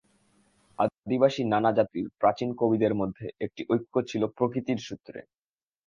আদিবাসী নানা জাতির প্রাচীন কবিদের মধ্যে একটি ঐক্য ছিল প্রকৃতির সূত্রে।